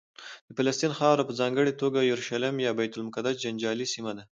د فلسطین خاوره په ځانګړې توګه یورشلیم یا بیت المقدس جنجالي سیمه ده.